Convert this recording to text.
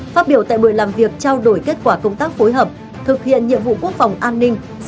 phát biểu tại buổi làm việc trao đổi kết quả công tác phối hợp thực hiện nhiệm vụ quốc phòng an ninh